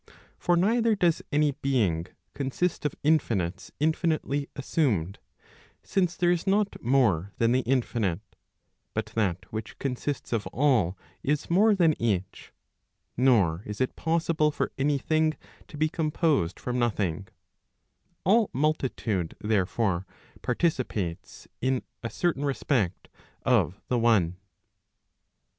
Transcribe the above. For neither does any being consist of infinites infinitely assumed; since there is not more than the infinite; but that which consists of all is more than each. Nor is it Digitized by Google prop. II. in. ELEMENTS OF THEOLOGY. 301 possible for any thing to be composed from nothing. All multitude, therefore, participates in a certain respect of the one.